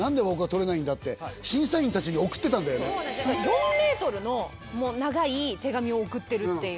４ｍの長い手紙を送ってるっていう。